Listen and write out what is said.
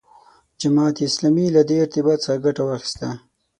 جماعت اسلامي له دې ارتباط څخه ګټه واخیسته.